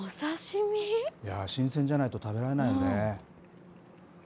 新鮮じゃないと食べられないよね。